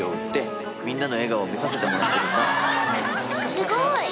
すごい。